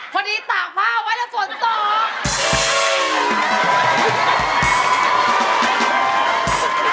พอดีตากผ้าเอาไว้แล้วสวนออก